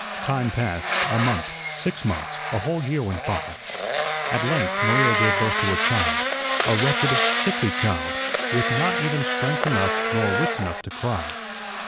Time passed, a month, six months, a whole year went by. At length Maria gave birth to a child, a wretched, sickly child, with not even strength enough nor wits enough to cry.